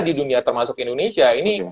di dunia termasuk indonesia ini